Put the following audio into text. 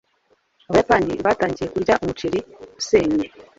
Abayapani batangiye kurya umuceri usennye